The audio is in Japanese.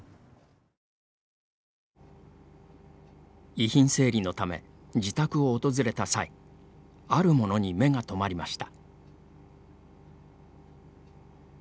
遺品整理のため自宅を訪れた際あるものに目が留まりました。